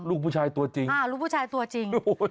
ลูกผู้ชายตัวจริงลูกผู้ชายตัวจริง